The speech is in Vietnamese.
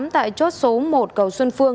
tại chốt số một cầu xuân phương